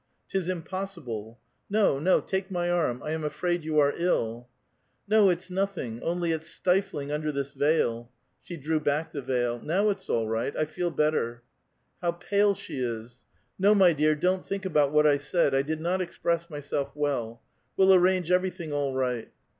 'Tis impossible — no, IK), take my arm ; 1 am afraid you are ill !"*' No, it's nothing ; only it's stifling under this veil." She (li"ow back the veil. '' Now it's all right; I feel better." '•How pale she is! — No, my dear, don't think about what 1 said. I did not express myself well. We'll arrange every tiling all right."